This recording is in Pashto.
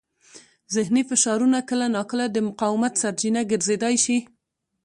ذهني فشارونه کله ناکله د مقاومت سرچینه ګرځېدای شي.